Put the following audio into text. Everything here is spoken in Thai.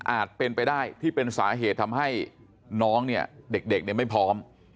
เป็นไปได้ที่เป็นสาเหตุทำให้น้องเนี่ยเด็กเนี่ยไม่พร้อม